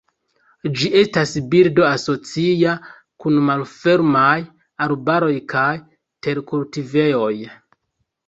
Ĝi estas birdo asocia kun malfermaj arbaroj kaj terkultivejoj.